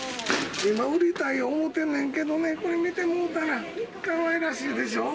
今、売りたい思うてんねんけどね、これ、見てもうたら、かわいらしいでしょ？